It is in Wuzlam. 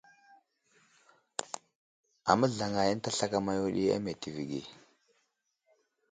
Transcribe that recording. Aməzlaŋay ənta slakama yo ɗi a meltivi age.